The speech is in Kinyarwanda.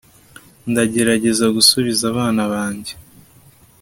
ndagerageza gusubiza abana banjye